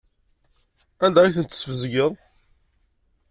Anda ay tent-tesbezgeḍ?